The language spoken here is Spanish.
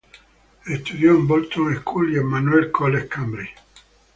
Estudió en Bolton School y Emmanuel College, Cambridge.